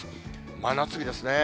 真夏日ですね。